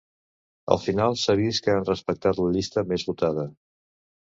al final s'ha vist que han respectat la llista més votada